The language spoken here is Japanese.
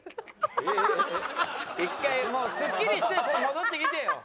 １回もうスッキリして戻ってきてよ。